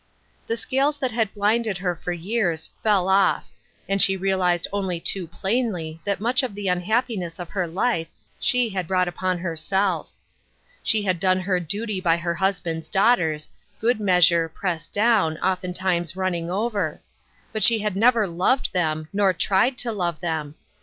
The scales that had blinded her for years fell off, and she realized only too plainly that much of the unhappiness of her life she had brought upon herself. She had done her duty by her husband's daughters, "good measure, pressed down," often times " running over "; but she had never loved them, nor tried to love them.